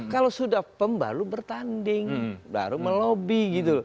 kalau sudah pembalu bertanding baru melobi gitu